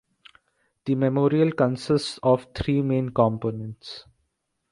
The memorial consists of three main components.